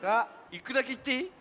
いくだけいっていい？